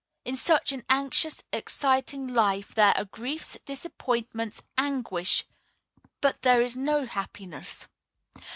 In such an anxious, exciting life there are griefs, disappointments, anguish, but there is no happiness.